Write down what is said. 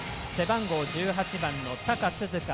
背番号１８番の高涼風。